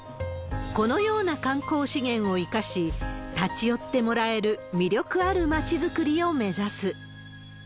このような観光資源を生かし、立ち寄ってもらえる魅力ある町づくりを目指す。